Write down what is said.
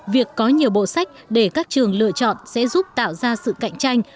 việc có nhiều bộ sách để các trường lựa chọn sẽ giúp tạo ra sự cạnh tranh